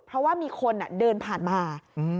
เพราะว่ามีคนอ่ะเดินผ่านมาอืม